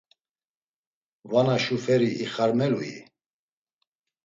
Vana şuferi ixarmelui?